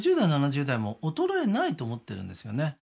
６０代７０代も衰えないと思ってるんですよね